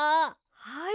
はい。